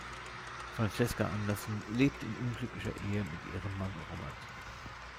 Francesca Anderson lebt in unglücklicher Ehe mit ihrem Mann Robert.